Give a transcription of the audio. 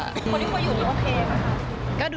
คนที่คุยอยู่นี่โอเคมั้ยคะ